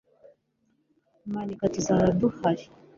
Manika Tuzaba duhari